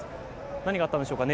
何があったんでしょうか